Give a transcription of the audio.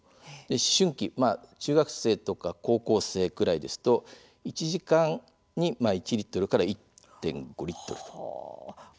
思春期、中学生とか高校生くらいですと１時間に１リットルから１．５リットルということです。